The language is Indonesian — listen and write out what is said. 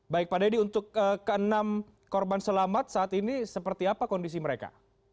baik pak dedy untuk keenam korban selamat saat ini seperti apa kondisi mereka